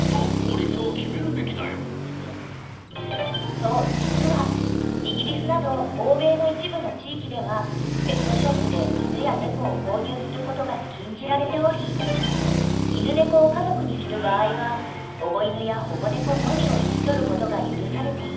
［そう実はイギリスなど欧米の一部の地域ではペットショップで犬や猫を購入することが禁じられており犬猫を家族にする場合は保護犬や保護猫のみを引き取ることが許されている］